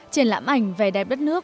triển lãm ảnh về đẹp đất nước